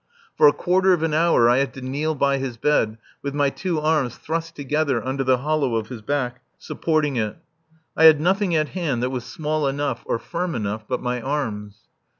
For a quarter of an hour I had to kneel by his bed with my two arms thrust together under the hollow of his back, supporting it. I had nothing at hand that was small enough or firm enough but my arms.